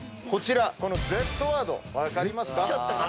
このＺワード分かりますか？